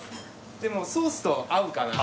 でもソースと合うかなと。